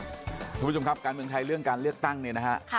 คุณผู้ชมครับการเมืองไทยเรื่องการเลือกตั้งเนี่ยนะฮะ